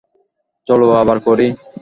চলো আবার করি।